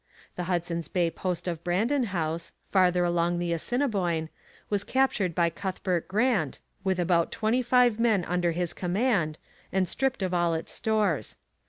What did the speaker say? The Hudson's Bay post of Brandon House, farther along the Assiniboine, was captured by Cuthbert Grant, with about twenty five men under his command, and stripped of all its stores.